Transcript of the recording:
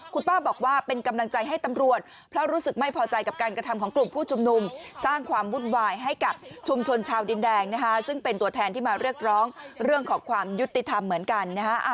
คุณป้าบอกว่าเป็นกำลังใจให้ตำรวจเพราะรู้สึกไม่พอใจกับการกระทำของกลุ่มผู้ชุมนุมสร้างความวุ่นวายให้กับชุมชนชาวดินแดงนะคะซึ่งเป็นตัวแทนที่มาเรียกร้องเรื่องของความยุติธรรมเหมือนกันนะฮะ